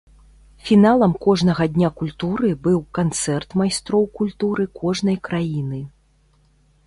Фіналам кожнага дня культуры быў канцэрт майстроў культуры кожнай краіны.